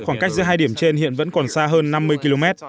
khoảng cách giữa hai điểm trên hiện vẫn còn xa hơn năm mươi km